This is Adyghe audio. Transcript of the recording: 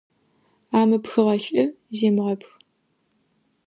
Амыпхыгъэ лӏы земыгъэпх.